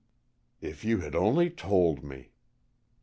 "If you had only told me!"